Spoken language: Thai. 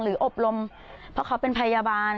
อบรมเพราะเขาเป็นพยาบาล